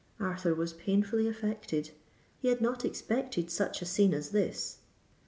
Arthur was painfully affected: he had not expected such a scene as this!